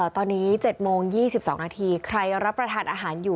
ตอนนี้เจ็ดโมงยี่สิบสองนาทีใครรับประทานอาหารอยู่